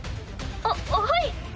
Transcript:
あっはい。